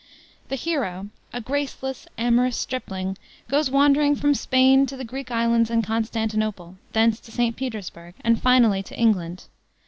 The hero, a graceless, amorous, stripling, goes wandering from Spain to the Greek islands and Constantinople, thence to St. Petersburg, and finally to England.